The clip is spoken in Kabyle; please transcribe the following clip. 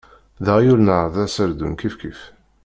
D aɣyul neɣ d aserdun, kifkif.